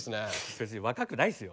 別に若くないですよ。